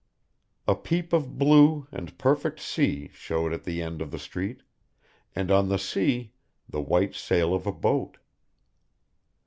A peep of blue and perfect sea shewed at the end of the street, and on the sea the white sail of a boat.